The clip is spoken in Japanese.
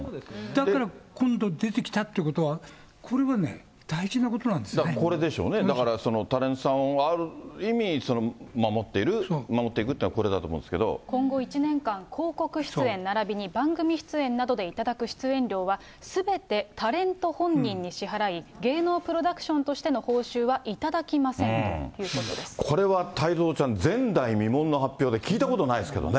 だから今度出てきたというのは、これはね、これでしょうね、だからタレントさんをある意味守っていくというのがこれだと思う今後１年間、広告出演ならびに番組出演などで頂く出演料は、すべてタレント本人に支払い、芸能プロダクションとしての報酬は頂きませんというこれは太蔵ちゃん、前代未聞の発表で、聞いたことないですけどね。